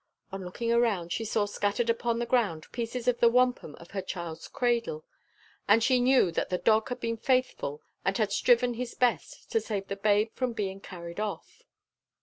On looking around, she saw scattered upon the ground pieces of the wampum of her child's cradle, and she knew that the dog had been faithful and had striven his best to save the babe from being carried off.